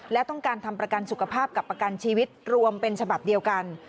และต้องการทำประกันสุขภาพกับประกันชีวิตรวมเป็นฉบับเดียวกัน